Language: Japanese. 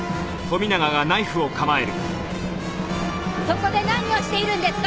そこで何をしているんですか！